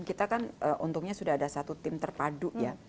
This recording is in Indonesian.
kita kan untungnya sudah ada satu tim terpadu ya